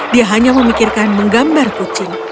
dia hanya memikirkan menggambar kucing